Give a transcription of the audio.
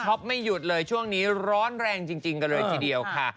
ช็อปไม่หยุดเลยช่วงนี้ร้อนแรงจริงกะเลยสิแล้วค่ะ